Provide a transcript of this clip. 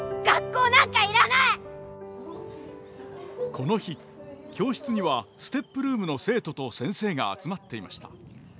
この日教室にはＳＴＥＰルームの生徒と先生が集まっていました。